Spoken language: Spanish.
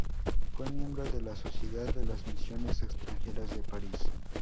Fue miembro de las Sociedad de las Misiones Extranjeras de París.